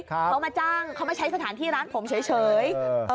เขามาจ้างเขามาใช้สถานที่ร้านผมเฉย